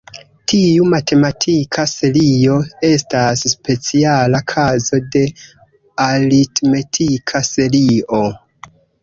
Tiu matematika serio estas speciala kazo de "aritmetika serio".